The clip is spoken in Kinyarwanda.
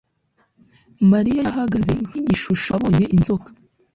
Mariya yahagaze nkigishusho abonye inzoka